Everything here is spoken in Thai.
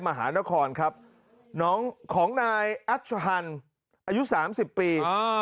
มหานครครับน้องของนายอัชฮันอายุ๓๐ปี